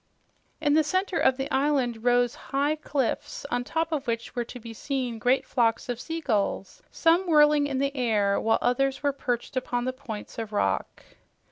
In the center of the island rose high cliffs on top of which were to be seen great flocks of seagulls, some whirling in the air, while others were perched upon the points of rock.